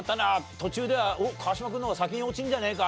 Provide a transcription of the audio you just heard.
途中では川島君の方が先に落ちるんじゃねえか？